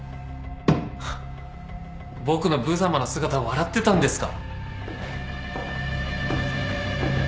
ハッ僕のぶざまな姿を笑ってたんですか？